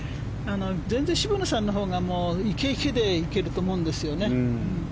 全然、渋野さんのほうがイケイケで行けると思うんですね。